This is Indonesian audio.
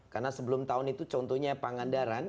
karena sebelum tahun itu contohnya pangandaran